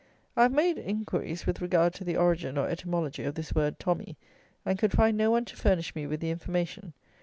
I have made inquiries with regard to the origin, or etymology, of this word tommy, and could find no one to furnish me with the information.